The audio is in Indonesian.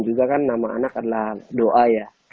juga kan nama anak adalah doa ya